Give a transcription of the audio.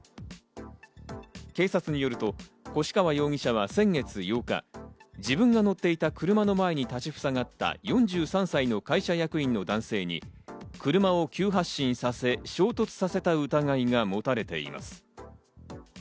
警察によると、越川容疑者は先月８日、自分が乗っていた車の前に立ちふさがった４３歳の会社役員の男性に車を急発進させ衝突させた疑いが持たれています。